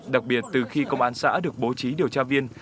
đặc biệt từ khi công an xã được bố trí điều tra viên